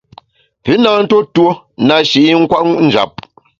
Pü na ntuo tuo na shi i nkwet njap.